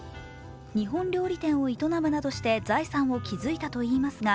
日本料理店を営むなどして、財産を築いたといいますが、